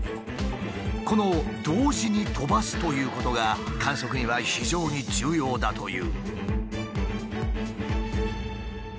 この「同時に飛ばす」ということが観測には非常に重要だという。